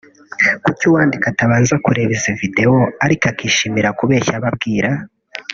Kuki uwandika atabanza kureba izi video ariko akishimira kubeshya abo abwira”